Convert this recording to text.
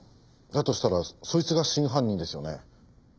だとしたらそいつが真犯人ですよね？